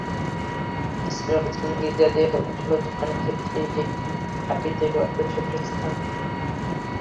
এছাড়াও চিংড়ি জাতীয় জলজ প্রাণীর ক্ষেত্রে এটি একটি প্রাকৃতিক ও আদর্শ বাসস্থান।